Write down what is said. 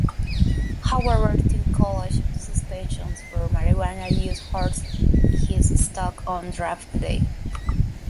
However, two college suspensions for marijuana use hurt his stock on draft day.